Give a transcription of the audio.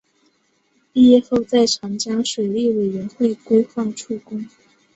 毕业后在长江水利委员会规划处工。